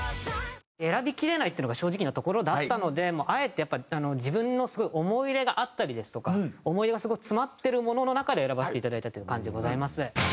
選びきれないっていうのが正直なところだったのであえてやっぱり自分のすごい思い入れがあったりですとか思い出が詰まってるものの中で選ばせていただいたという感じでございます。